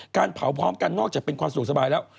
การเผาพร้อมกันนอกจากเป็นความสะดวกสบายแล้ว